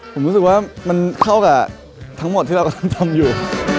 ผมรู้สึกว่ามันเข้ากับทั้งหมดที่เรากำลังทำอยู่